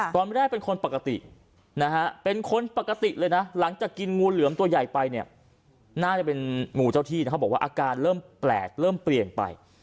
ตอนแรกเป็นคนปกตินะฮะเป็นคนปกติเลยนะหลังจากกินงูเหลือมตัวใหญ่ไปเนี่ยน่าจะเป็นงูเจ้าที่นะเขาบอกว่าอาการเริ่มแปลกเริ่มเปลี่ยนไป